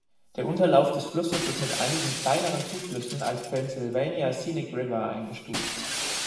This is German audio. Der Unterlauf des Flusses ist mit einigen kleineren Zuflüssen als Pennsylvania Scenic River eingestuft.